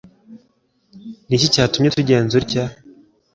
ni iki cyatumye utugenza utya ?